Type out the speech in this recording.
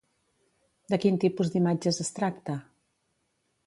De quin tipus d'imatges es tracta?